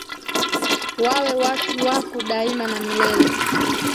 Wawe watu wako daima na milele